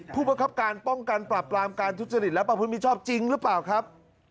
ผู้บังคับการป้องกันปรับปรามการทุจริตและประพฤติมิชอบจริงหรือเปล่าครับ